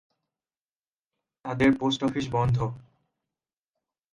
তাদের post office বন্ধ।